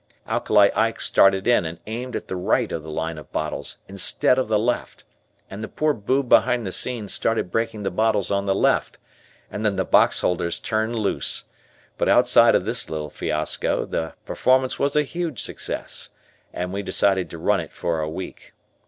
Alkali Ike started in and aimed at the right of the line of bottles instead of the left, and the poor boob behind the scenes started breaking the bottles on the left, and then the box holders turned loose; but outside of this little fiasco the performance was a huge success, and we decided to run it for a week.